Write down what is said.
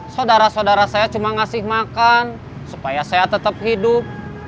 saudara saudara saya cuma ngasih makan supaya saya tetap hidup